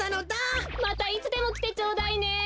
またいつでもきてちょうだいね。